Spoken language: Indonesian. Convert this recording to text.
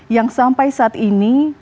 yang sampai saat ini